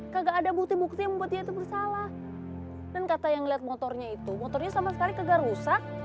kagak ada bukti bukti yang membuat dia itu bersalah dan kata yang lihat motornya itu motornya sama sekali kegar rusak